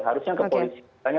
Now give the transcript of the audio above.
harusnya ke polisi